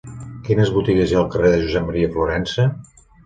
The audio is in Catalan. Quines botigues hi ha al carrer de Josep M. Florensa?